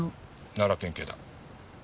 奈良県警だ。